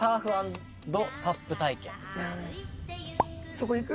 そこ行く？